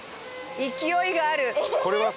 勢いがある！